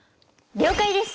了解です！